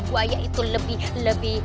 bu aya itu lebih lebih